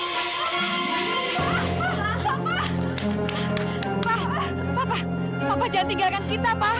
papa jangan tinggalkan kita pa